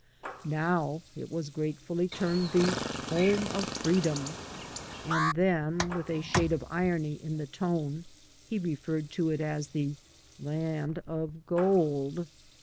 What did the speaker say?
Now it was gratefully termed the home of freedom and then, with a shade of irony in the tone, he referred to it as the land of gold.